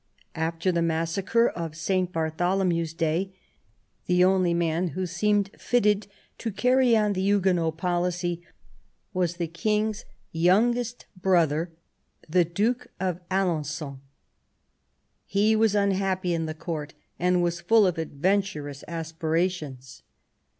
After the massacre of St. Bartholomew's Day the only man who seemed fitted to carry on the Huguenot policy was the King's youngest brother, the Duke of Alen9on. He was unhappy in the Court, and was full of adventurous aspirations.